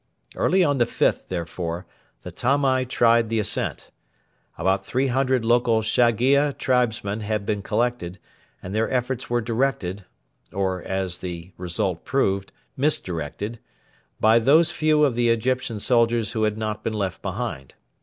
Early on the 5th, therefore, the Tamai tried the ascent. About 300 local Shaiggia tribesmen had been collected, and their efforts were directed or, as the result proved, mis directed by those few of the Egyptian soldiers who had not been left behind.